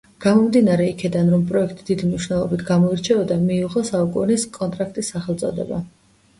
გამომდინარე იქიდან, რომ პროექტი დიდი მნიშვნელობით გამოირჩეოდა, მიიღო „საუკუნის კონტრაქტის“ სახელწოდება.